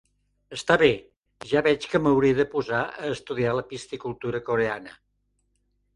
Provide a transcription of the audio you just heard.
Està bé, ja veig que m'hauré de posar a estudiar la piscicultura coreana.